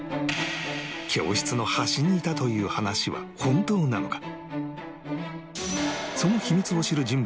教室の端にいたという話は本当なのか？